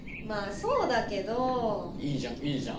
そうだけどいいじゃんいいじゃん